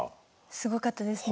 すごかったですね。